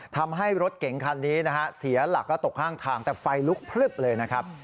ทำให้รถเกงคันนี้เสียหลักแล้วตกข้างทางแต่ไฟลุกพลึบเลย